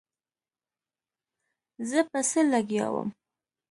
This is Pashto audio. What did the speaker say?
زه په څه لګيا وم.